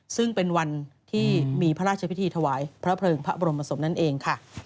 ซึ่งเป็นวันที่มีพระราชพิธีถวายพระเพลิงพระบรมศพนั่นเองค่ะ